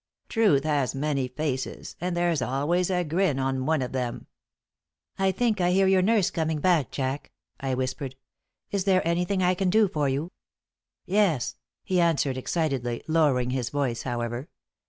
Truth has many faces, and there's always a grin on one of them." "I think that I hear your nurse coming, Jack," I whispered. "Is there anything that I can do for you?" "Yes," he answered, excitedly, lowering his voice, however.